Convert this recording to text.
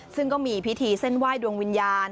ซึ่งก็มีพิธีเส้นไหว้ดวงวิญญาณ